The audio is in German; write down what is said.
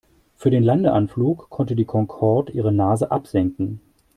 Für den Landeanflug konnte die Concorde ihre Nase absenken.